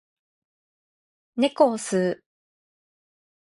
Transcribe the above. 猫を吸う